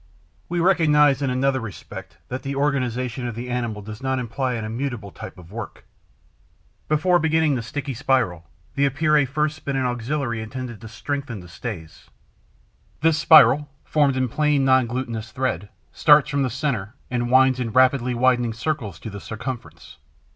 We recognize in another respect that the organization of the animal does not imply an immutable type of work. Before beginning the sticky spiral, the Epeirae first spin an auxiliary intended to strengthen the stays. This spiral, formed of plain, non glutinous thread, starts from the centre and winds in rapidly widening circles to the circumference.